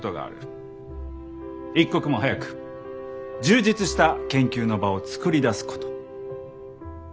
一刻も早く充実した研究の場を作り出すこと。